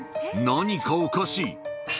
何かおかしい。